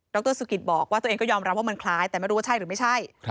รสุกิตบอกว่าตัวเองก็ยอมรับว่ามันคล้ายแต่ไม่รู้ว่าใช่หรือไม่ใช่